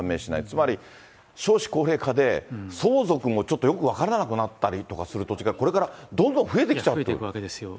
つまり少子高齢化で、相続もちょっとよく分からなくなったりする土地がこれからどんど増えていくわけですよ。